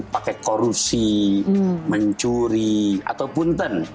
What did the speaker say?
pakai korusi mencuri ataupun ten